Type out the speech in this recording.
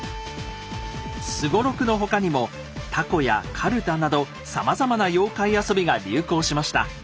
双六の他にも凧やかるたなどさまざまな妖怪遊びが流行しました。